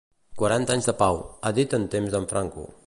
«Quaranta anys de pau», era dit en temps d'en Franco.